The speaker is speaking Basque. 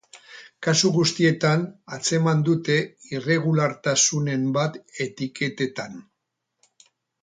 Kasu guztietan atzeman dute irregulartasunen bat etiketetan.